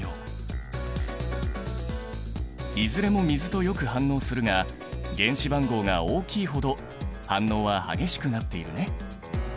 いずれも水とよく反応するが原子番号が大きいほど反応は激しくなっているね。